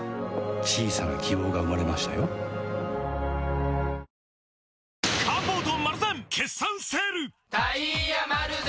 小さな希望が生まれましたよ来てたんだ。